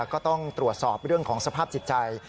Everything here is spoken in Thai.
ก็ต้องตรวจสอบเรื่องของสภาพจิตใจ